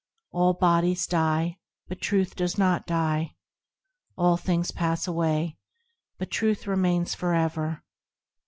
All bodies die, but Truth does not die ; Ail things pass away, but Truth remains for ever.